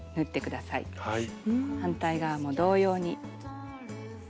反対側も同様に。